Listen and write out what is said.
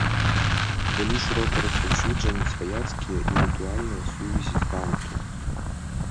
Былі шырока распаўсюджаны сваяцкія і рытуальныя сувязі з банту.